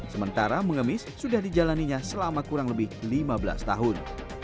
sementara mengemis sudah dijalannya selama kurang lebih lima belas tahun